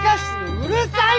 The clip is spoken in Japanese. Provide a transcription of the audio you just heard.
うるさいな！